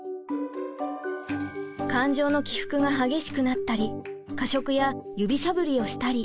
感情の起伏が激しくなったり過食や指しゃぶりをしたり。